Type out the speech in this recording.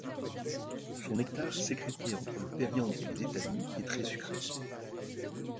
Son nectar, sécrété entre le périanthe et les étamines, est très sucré.